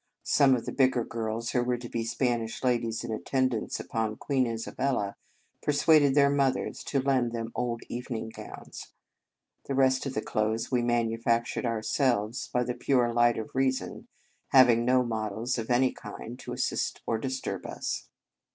Some of the bigger girls, who were to be Spanish ladies in attendance upon Queen Isabella, persuaded their mothers to lend them old evening gowns. The rest of the clothes we manufactured ourselves, " by the pure light of reason," having no models of any kind to assist or to disturb us.